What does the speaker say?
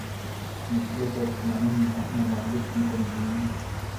مسئلے پر اسلامی ممالک کی تنظیم